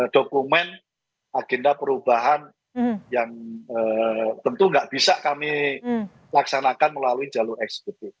dokumen agenda perubahan yang tentu nggak bisa kami laksanakan melalui jalur eksekutif